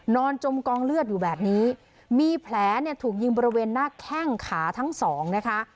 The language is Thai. จมกองเลือดอยู่แบบนี้มีแผลเนี่ยถูกยิงบริเวณหน้าแข้งขาทั้งสองนะคะ